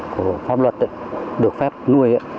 của pháp luật được phép nuôi